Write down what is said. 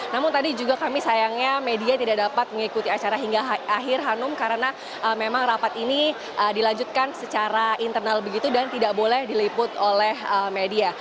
namun tadi juga kami sayangnya media tidak dapat mengikuti acara hingga akhir hanum karena memang rapat ini dilanjutkan secara internal begitu dan tidak boleh diliput oleh media